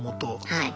はい。